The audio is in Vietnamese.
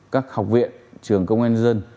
các học viện trường công an dân